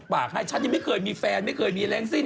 ตกปากให้ฉันไม่เคยมีแฟนไม่เคยมีแหล่งสิ้น